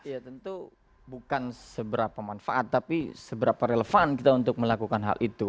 ya tentu bukan seberapa manfaat tapi seberapa relevan kita untuk melakukan hal itu